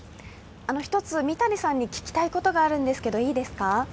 １つ三谷さんに聞きたいことがあるんですが、いいですか？